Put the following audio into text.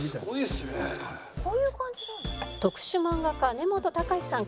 特殊漫画家根本敬さん